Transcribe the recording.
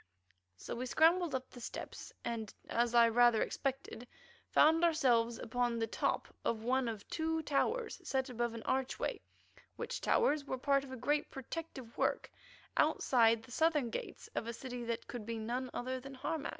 So we scrambled up the steps, and, as I rather expected, found ourselves upon the top of one of two towers set above an archway, which towers were part of a great protective work outside the southern gates of a city that could be none other than Harmac.